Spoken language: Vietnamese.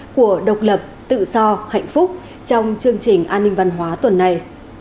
của độc lập tự do hạnh phúc trong chương trình an ninh văn hóa tuần này